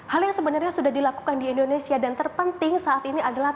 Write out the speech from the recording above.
hal yang sebenarnya sudah dilakukan di indonesia dan terpenting saat ini adalah